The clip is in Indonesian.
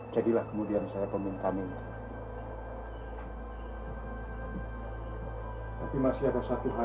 jadilah kemudian saya meminta minta